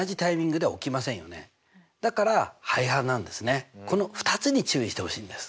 それからこの２つに注意してほしいんです。